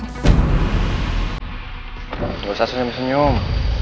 nggak usah senyum senyum